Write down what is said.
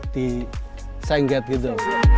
di sengget gitu